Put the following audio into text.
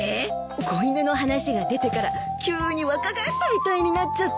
子犬の話が出てから急に若返ったみたいになっちゃって。